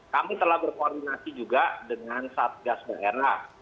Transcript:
kami telah berkoordinasi juga dengan satgas daerah